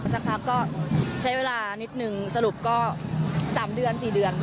สักพักก็ใช้เวลานิดนึงสรุปก็๓เดือน๔เดือน